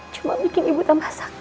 cuma bikin ibu tambah sakit